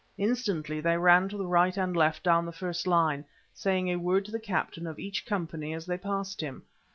Instantly they ran to the right and left down the first line, saying a word to the captain of each company as they passed him.